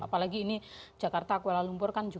apalagi ini jakarta kuala lumpur kan